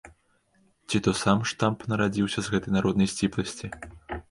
Ці то сам штамп нарадзіўся з гэтай народнай сціпласці.